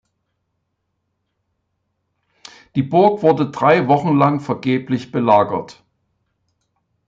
Die Burg wurde drei Wochen lang vergeblich belagert.